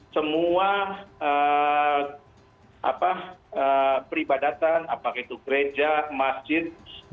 semua peribadatan apakah itu gereja masjid